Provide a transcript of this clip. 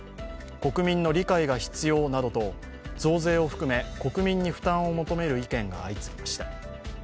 国民の理解が必要などと増税を含め、国民に負担を求める意見が相次ぎました。